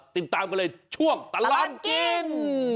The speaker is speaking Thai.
ติดตามกันเลยช่วงตลอดกิน